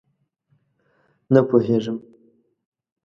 _نه پوهېږم!